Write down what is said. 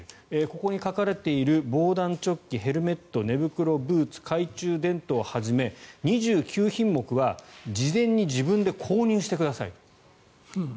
ここに描かれている防弾チョッキ、ヘルメット、寝袋ブーツ、懐中電灯をはじめ２９品目は事前に自分で購入してください。